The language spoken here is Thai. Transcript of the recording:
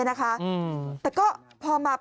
นะคะแต่ก็พอมา